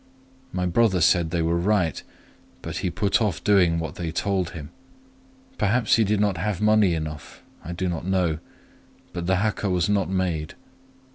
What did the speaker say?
My brother said they were right; but he put off doing what they told him. Perhaps he did not have money p. 126 enough, I do not know; but the haka was not made